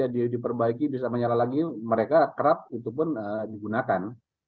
diperbaiki bisa menyala lagi mereka kerap itu pun digunakan